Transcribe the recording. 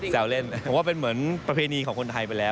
แซวเล่นผมว่าเป็นเหมือนประเพณีของคนไทยไปแล้ว